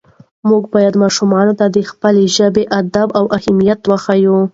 موږ باید ماشومانو ته د خپلې ژبې او ادب اهمیت وښیو